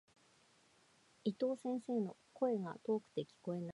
伊藤先生の、声が遠くて聞こえない。